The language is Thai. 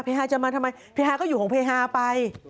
ฮาจะมาทำไมเฮฮาก็อยู่ของเฮฮาไป